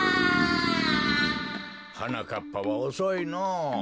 はなかっぱはおそいのぉ。